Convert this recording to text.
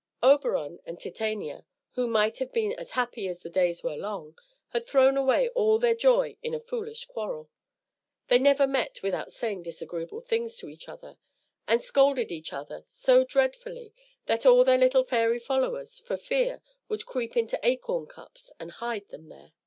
Oberon and Titania, who might have been as happy as the days were long, had thrown away all their joy in a foolish quarrel. They never met without saying disagreeable things to each other, and scolded each other so dreadfully that all their little fairy followers, for fear, would creep into acorn cups and hide them there.